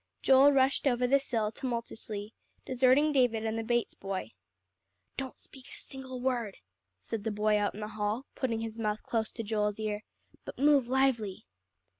Joel rushed over the sill tumultuously, deserting David and the Bates boy. "Don't speak a single word," said the boy out in the hall, putting his mouth close to Joel's ear, "but move lively."